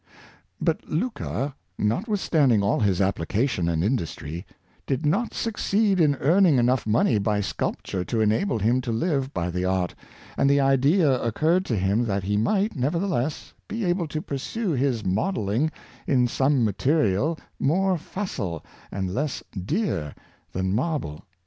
'' But Luca, notwithstanding all his application and in dustry, did not succeed in earning enough money by sculpture to enable him to live by the art, and the idea occurred to him that he might, nevertheless, be able to pursue his modelling in some material more facile and less dear than marble.